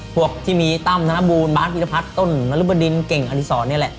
พวกที่มีตั้มธนบูรณ์บาร์ทวิทยาพัฒน์ต้นนรุบดินเก่งอธิษฐรณ์เนี่ยแหละ